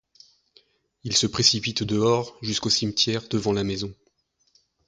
Il se précipite dehors jusqu'au cimetière devant la maison.